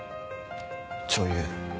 女優。